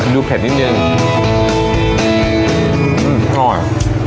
ดูเผ็ดนิดหนึ่งอื้มอร่อย